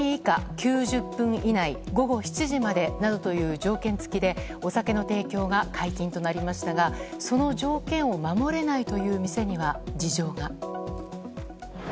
９０分以内午後７時までなどという条件付きでお酒の提供が解禁となりましたがその条件を守れないという店には事情が。